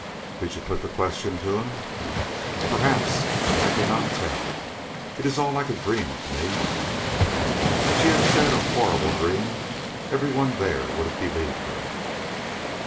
"Did you put the question to him?" "Perhaps. I cannot tell. It is all like a dream to me." If she had said horrible dream, every one there would have believed her.